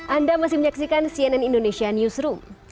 anda masih menyaksikan cnn indonesia newsroom